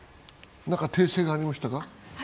何か訂正がありましたか？